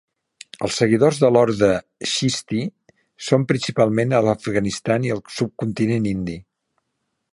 Els seguidors de l'Orde Chishti són principalment a l'Afganistan i al subcontinent indi.